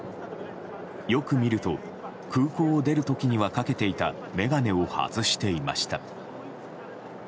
よく見ると、空港を出る時にはかけていた眼鏡を外していました。